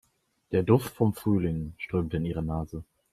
Der Duft von Frühling strömte in ihre Nase.